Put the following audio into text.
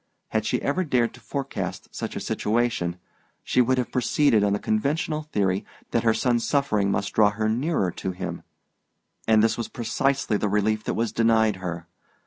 Had she ever dared to forecast such a situation, she would have proceeded on the conventional theory that her son's suffering must draw her nearer to him; and this was precisely the relief that was denied her.